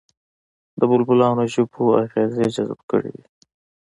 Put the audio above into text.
د بېلابېلو ژبو اغېزې جذب کړې دي